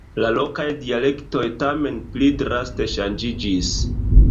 La lokaj dialektoj, tamen, pli draste ŝanĝiĝis.